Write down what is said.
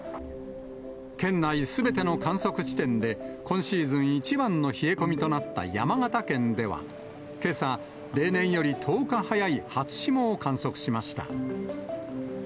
県内すべての観測地点で、今シーズン一番の冷え込みとなった山形県では、けさ、例年より１０日早い初霜を観測しました。